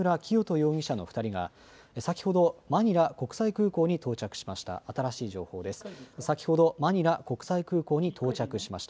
容疑者の２人が、先ほどマニラ国際空港に到着しました。